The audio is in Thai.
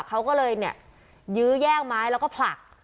เขาก็เลยเนี่ยยื้อแย่งไม้แล้วก็ผลัก